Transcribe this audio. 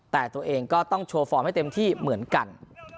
แต่ตัวเองก็ต้องโชว์ฟอร์มให้เต็มที่เหมือนกัน